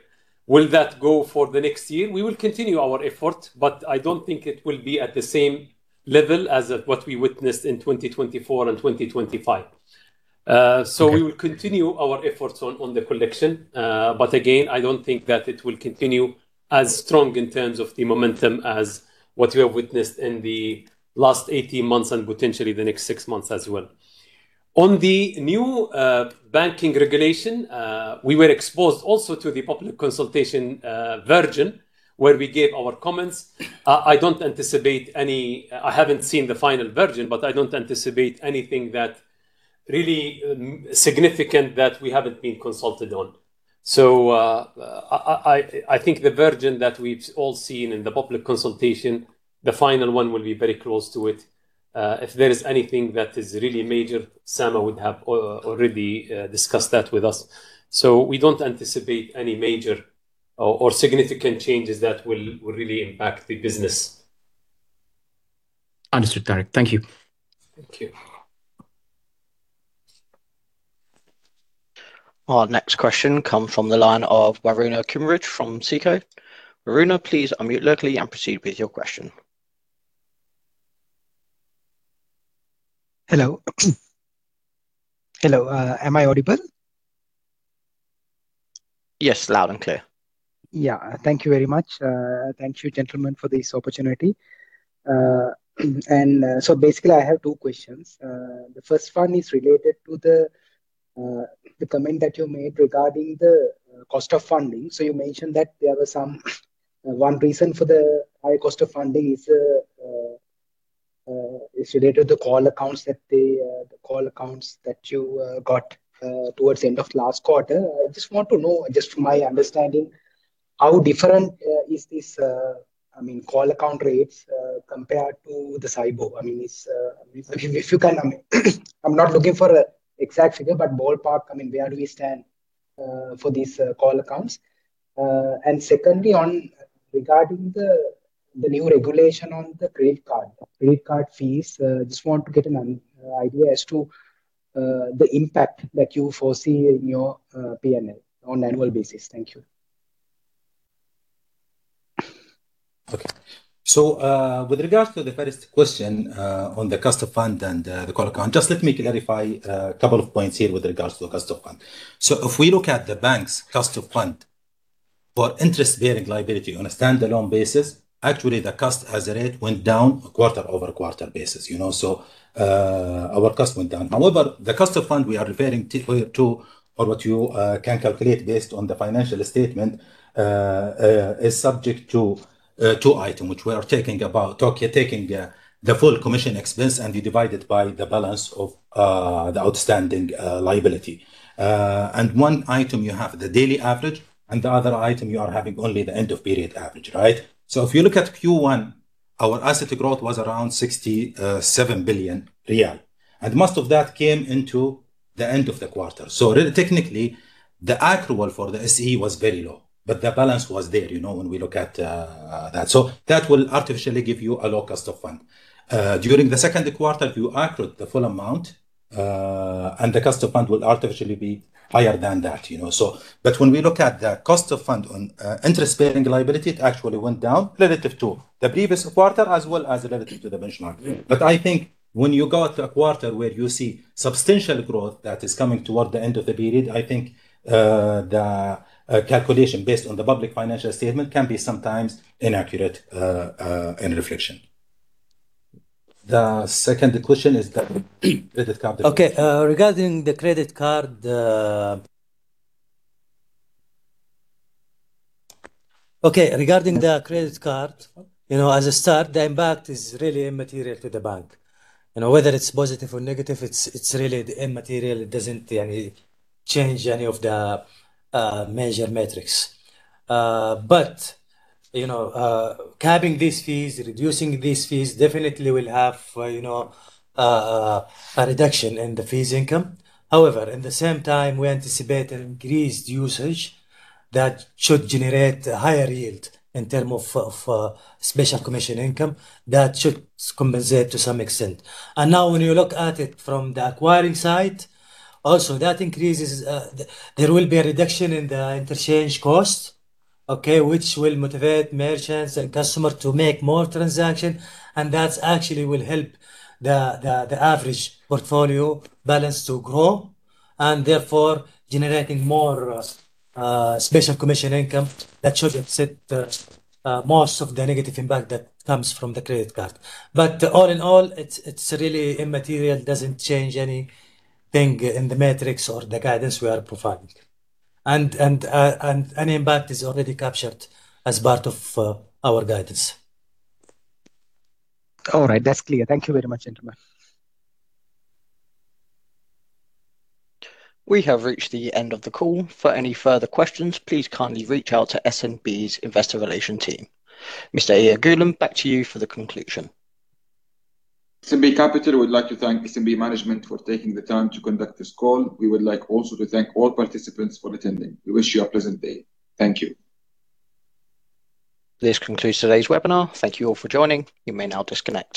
Will that go for the next year? We will continue our effort, but I don't think it will be at the same level as of what we witnessed in 2024 and 2025. We will continue our efforts on the collection, but again, I don't think that it will continue as strong in terms of the momentum as what we have witnessed in the last 18 months and potentially the next 6 months as well. On the new banking regulation, we were exposed also to the public consultation version, where we gave our comments. I haven't seen the final version, but I don't anticipate anything that really significant that we haven't been consulted on. I think the version that we've all seen in the public consultation, the final one will be very close to it. If there is anything that is really major, SAMA would have already discussed that with us. We don't anticipate any major or significant changes that will really impact the business. Understood, Tareq. Thank you. Thank you. Our next question come from the line of Varuna Kosanda from SICO. Varuna, please unmute locally and proceed with your question. Hello. Hello, am I audible? Yes, loud and clear. Yeah. Thank you very much. Thank you, gentlemen, for this opportunity. Basically I have two questions. The first one is related to the comment that you made regarding the cost of funding. You mentioned that one reason for the high cost of funding is related to call accounts that you got towards the end of last quarter. I just want to know, just from my understanding, how different is this, I mean, call account rates compared to the SAIBOR? I mean, if you can. I'm not looking for an exact figure, but ballpark, I mean, where do we stand for these call accounts? Secondly, regarding the new regulation on the credit card fees, just want to get an idea as to the impact that you foresee in your P&L on annual basis. Thank you. Okay. With regards to the first question, on the cost of fund and the call account, just let me clarify a couple of points here with regards to the cost of fund. If we look at the bank's cost of fund for interest-bearing liability on a standalone basis, actually the cost as a rate went down a quarter-over-quarter basis, you know. Our cost went down. However, the cost of fund we are referring to, or what you can calculate based on the financial statement, is subject to two items, which we are talking about. Okay, taking the full commission expense and you divide it by the balance of the outstanding liability. And one item you have the daily average, and the other item you are having only the end of period average, right? If you look at Q1, our asset growth was around 67 billion riyal, and most of that came into the end of the quarter. Really technically, the accrual for the SCI was very low, but the balance was there, you know, when we look at that. That will artificially give you a low cost of fund. During the second quarter, if you accrued the full amount, and the cost of fund will artificially be higher than that, you know. But when we look at the cost of fund on interest-bearing liability, it actually went down relative to the previous quarter as well as relative to the benchmark. I think when you got a quarter where you see substantial growth that is coming toward the end of the period, I think, the calculation based on the public financial statement can be sometimes inaccurate, in reflection. The second question is the credit card question. Regarding the credit card, you know, as a start, the impact is really immaterial to the bank. You know, whether it's positive or negative, it's really immaterial. It doesn't really change any of the major metrics. But you know, capping these fees, reducing these fees, definitely will have a reduction in the fees income. However, in the same time, we anticipate an increased usage that should generate a higher yield in terms of special commission income that should compensate to some extent. Now when you look at it from the acquiring side, also that increases, there will be a reduction in the interchange cost, okay, which will motivate merchants and customer to make more transaction, and that actually will help the average portfolio balance to grow, and therefore generating more special commission income that should offset the most of the negative impact that comes from the credit card. All in all, it's really immaterial. It doesn't change anything in the metrics or the guidance we are providing. Any impact is already captured as part of our guidance. All right. That's clear. Thank you very much, gentlemen. We have reached the end of the call. For any further questions, please kindly reach out to SNB's Investor Relations team. Mr. Iyad Ghulam, back to you for the conclusion. SNB Capital would like to thank SNB management for taking the time to conduct this call. We would like also to thank all participants for attending. We wish you a pleasant day. Thank you. This concludes today's webinar. Thank you all for joining. You may now disconnect.